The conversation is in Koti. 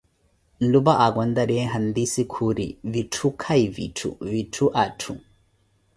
Nlupa akontariye hantisi khuri: vitthu kahi vitthu, vitthu atthu.